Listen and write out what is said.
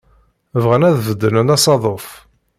Bɣan ad beddlen asaḍuf.